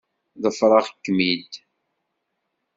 Ḍefreɣ-kem-id.